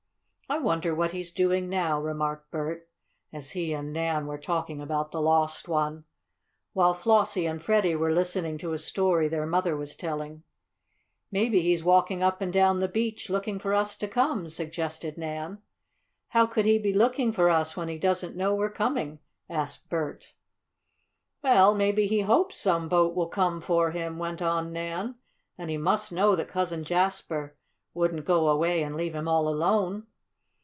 "I wonder what he's doing now," remarked Bert, as he and Nan were talking about the lost one, while Flossie and Freddie were listening to a story their mother was telling. "Maybe he's walking up and down the beach looking for us to come," suggested Nan. "How could he look for us when he doesn't know we're coming?" asked Bert. "Well, maybe he hopes some boat will come for him," went on Nan. "And he must know that Cousin Jasper wouldn't go away and leave him all alone."